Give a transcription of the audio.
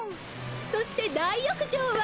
そして大浴場は？